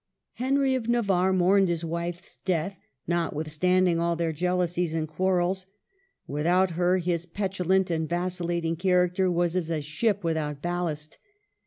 Henry of Navarre mourned his wife's death, notwithstanding all their jealousies and quar rels. Without her, his petulant and vacillating character was as a ship without ballast.